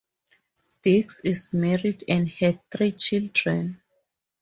Diggs is married and has three children.